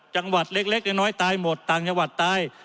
จังหวัดเล็กน้อยตายหมดต่างจังหวัดตาย